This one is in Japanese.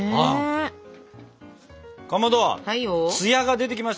かまど艶が出てきましたね。